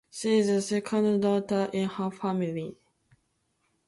She is the second daughter in her family.